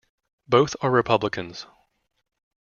Both are Republicans.